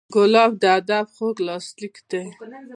ګلاب د ادب خوږ لاسلیک دی.